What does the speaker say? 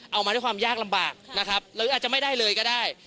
เอามาด้วยความยากลำบากนะครับหรืออาจจะไม่ได้เลยก็ได้